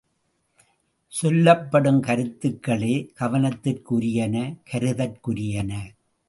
சொல்லப்படும் கருத்துக்களே கவனத்திற்குரியன, கருதுதற்குரியன.